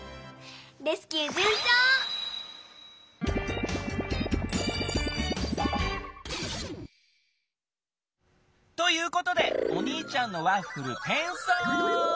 レスキューじゅんちょう！ということでおにいちゃんのワッフルてんそう！